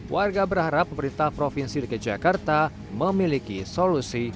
warga berharap pemerintah provinsi rikejakarta memiliki solusi